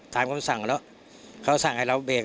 คำสั่งแล้วเขาสั่งให้เราเบรก